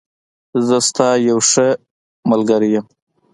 زه ستا یوښه ملګری یم.